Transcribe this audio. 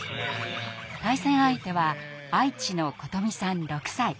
対戦相手は愛知の琴美さん６歳。